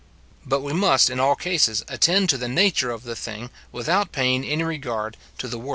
But we must, in all cases, attend to the nature of the thing, without paying any regard to the word.